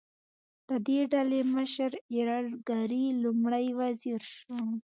د دې ډلې مشر ایرل ګرې لومړی وزیر شو.